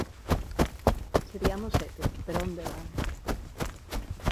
Seriamos sete pero onde van...